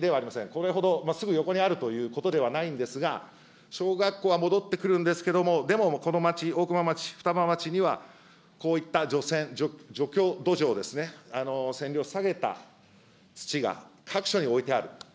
これほどすぐ横にあるということではないんですが、小学校は戻ってくるんですけど、でもこの町、大熊町、双葉町にはこういった除染、除去土壌ですね、線量下げた土が各所に置いてある。